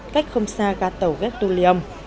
cách không xa ga tàu gatoulion